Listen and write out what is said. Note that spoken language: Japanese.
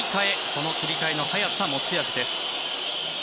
その切り替えの早さが持ち味です。